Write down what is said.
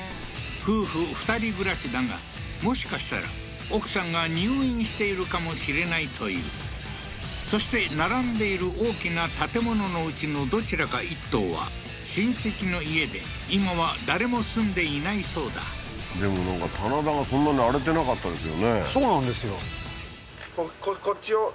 夫婦２人暮らしだがもしかしたら奥さんが入院しているかもしれないというそして並んでいる大きな建物のうちのどちらか１棟は親戚の家で今は誰も住んでいないそうだでもなんか棚田がそんなに荒れてなかったですよねそうなんですよ